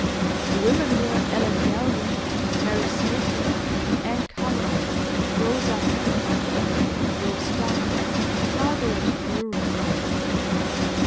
The women were Ellen Galvin, Mary Stating, Ann Cullen, Rosa Heland, Rose Dunn, and Margaret Drury.